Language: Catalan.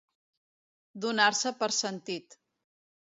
Donar-se per sentit.